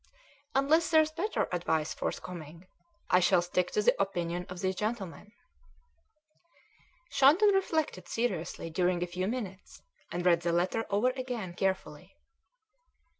"Unless there's better advice forthcoming, I shall stick to the opinion of these gentlemen." Shandon reflected seriously during a few minutes, and read the letter over again carefully.